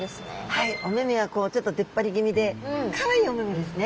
はいお目目はちょっと出っ張り気味でかわいいお目目ですね。